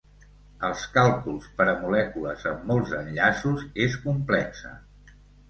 Els càlculs per a molècules amb molts d'enllaços és complexa.